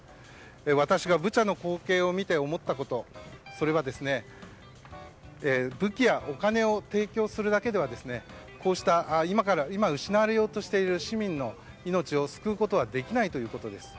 私がブチャの光景を見て思ったことそれは武器やお金を提供するだけでは今、失われようとしている市民の命を救うことはできないということです。